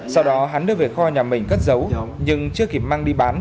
sau đó hắn đưa về kho nhà mình cất dấu nhưng chưa kịp mang đi bán